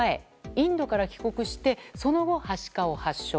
インドから帰国してその後、はしかを発症。